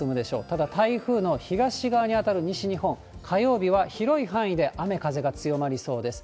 ただ、台風の東側に当たる西日本、火曜日は広い範囲で雨、風が強まりそうです。